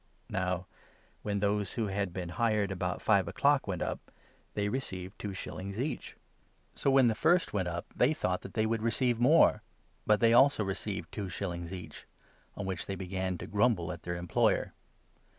Now when those who 9 had been hired about five o'clock went up, they received two shillings each. So, when the first went up, they thought 10 2* Enoch 6a. 3 ; 108. ia. » Enoch 40. 9. MATTHEW, 2O. 79 that they would receive more, but they also received two shillings each; on which they began to grumble at their n employer.